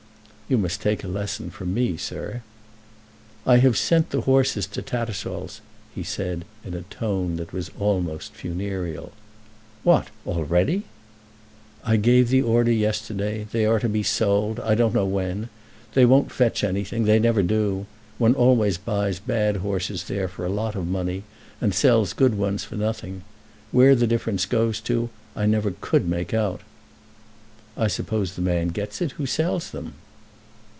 "You must take a lesson from me, sir." "I have sent the horses to Tattersall's," he said in a tone that was almost funereal. "What! already?" "I gave the order yesterday. They are to be sold, I don't know when. They won't fetch anything. They never do. One always buys bad horses there for a lot of money, and sells good ones for nothing. Where the difference goes to I never could make out." "I suppose the man gets it who sells them."